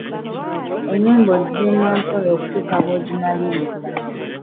Ennyumba ogizimba mpola okutuuka lw'ogimaliriza.